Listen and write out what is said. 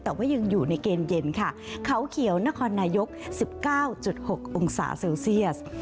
แต่ว่ายังอยู่ในเกณฑ์เย็นค่ะเขาเขียวนครนายก๑๙๖องศาเซลเซียส